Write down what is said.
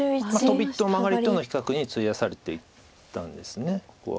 トビとマガリとの比較に費やされていたんですここは。